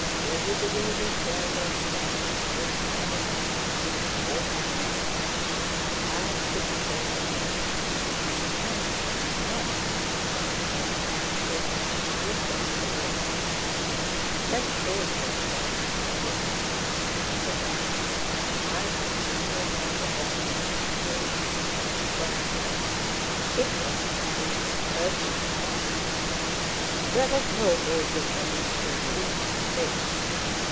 "Will you believe it, Theodore Iványch, those animals flew forty miles? I couldn't hold them in, my hands grew numb in the sharp frost so that I threw down the reins—'Catch hold yourself, your excellency!' says I, and I just tumbled on the bottom of the sleigh and sprawled there. It wasn't a case of urging them on, there was no holding them in till we reached the place.